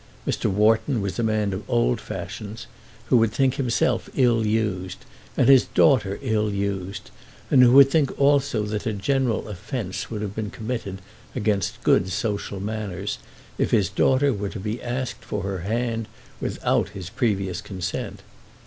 Mr. Wharton was a man of old fashions, who would think himself ill used and his daughter ill used, and who would think also that a general offence would have been committed against good social manners, if his daughter were to be asked for her hand without his previous consent.